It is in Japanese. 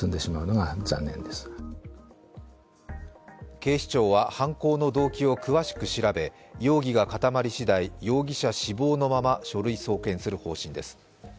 警視庁は犯行の動機を詳しく調べ容疑が固まり次第容疑者死亡のまま書類送検する方針です。